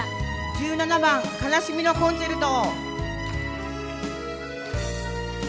１７番「哀しみのコンチェルト」。